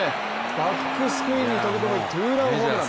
バックスクリーンに飛び込むツーランホームラン。